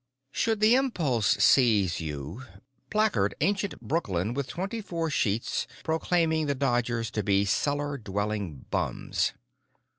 Should the impulse seize you, placard ancient Brooklyn with twenty four sheets proclaiming the Dodgers to be cellar dwelling bums.